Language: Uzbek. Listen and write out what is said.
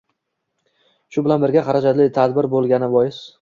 shu bilan birga, xarajatli tadbir bo‘lgani bois